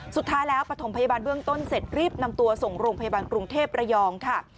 สุดท้ายแล้วปฐมพยาบาลเบื้องต้นเสร็จรีบนำตัวส่งโรงพยาบาลกรุงเทพระยองค่ะ